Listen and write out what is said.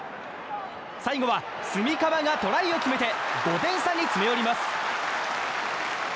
最後は炭竃がトライを決めて５点差に詰め寄ります。